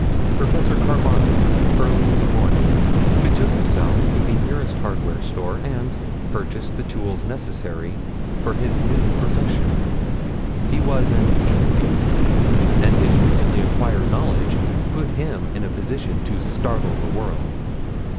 Professor Carbonic early in the morning betook himself to the nearest hardware store and purchased the tools necessary for his new profession. He was an M.D. and his recently acquired knowledge put him in a position to startle the world.